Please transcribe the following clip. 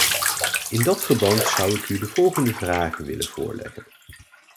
In dat verband zou ik u de volgende vragen willen voorleggen.